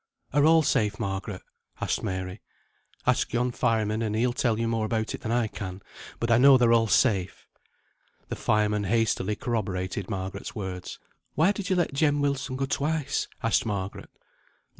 Are all safe, Margaret?" asked Mary. "Ask yon fireman, and he'll tell you more about it than I can. But I know they're all safe." The fireman hastily corroborated Margaret's words. "Why did you let Jem Wilson go twice?" asked Margaret.